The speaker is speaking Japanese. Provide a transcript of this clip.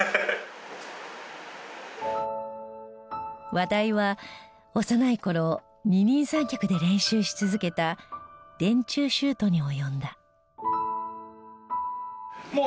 話題は幼い頃二人三脚で練習し続けた電柱シュートに及んだ。